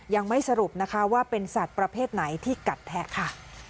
ยังไม่สรุปนะคะว่าเป็นสัตว์ประเภทไหนที่กัดแทะค่ะ